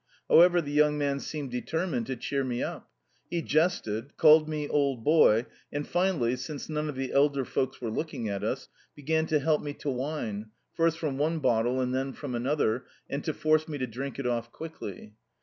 However, the young man seemed determined to cheer me up. He jested, called me "old boy," and finally (since none of the elder folks were looking at us) began to help me to wine, first from one bottle and then from another and to force me to drink it off quickly.